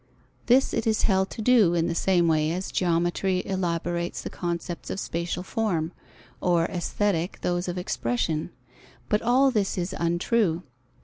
This it is held to do in the same way as Geometry elaborates the concepts of spatial form, or Aesthetic those of expression. But all this is untrue.